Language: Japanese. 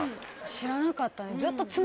知らなかったんで。